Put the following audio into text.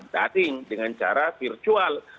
daring dengan cara virtual